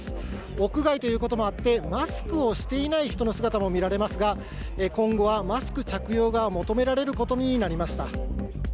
屋外ということもあって、マスクをしていない人の姿も見られますが、今後はマスク着用が求められることになりました。